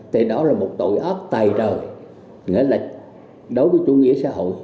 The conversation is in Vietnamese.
thì đó là một tội ác tài trời nghĩa là đối với chủ nghĩa xã hội